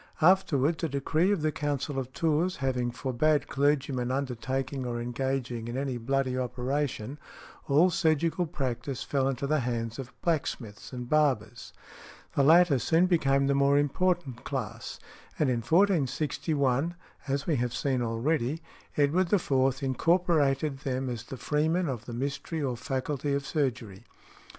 Afterwards, a decree of the Council of Tours having forbad clergymen undertaking or engaging in any bloody operation, all surgical practice fell into the hands of blacksmiths and barbers. The latter soon became the more important class, and in 1461 (as we have seen already), Edward IV. incorporated them as "The Freeman of the Mystery or Faculty of Surgery."